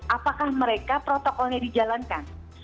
apakah mereka protokolnya dijalankan